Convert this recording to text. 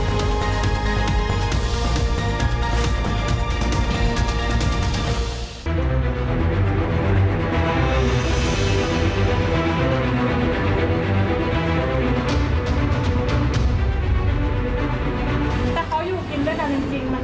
มีความรู้สึกว่ามีความรู้สึกว่ามีความรู้สึกว่า